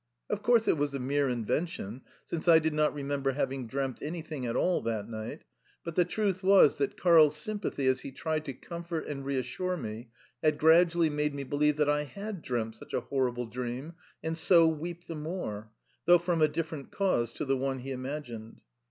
Of course it was a mere invention, since I did not remember having dreamt anything at all that night, but the truth was that Karl's sympathy as he tried to comfort and reassure me had gradually made me believe that I HAD dreamt such a horrible dream, and so weep the more though from a different cause to the one he imagined.